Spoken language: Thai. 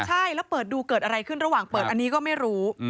ใช่แล้วเปิดดูเกิดอะไรขึ้นระหว่างเปิดอันนี้ก็ไม่รู้